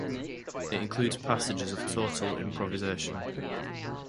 It includes passages of total improvisation.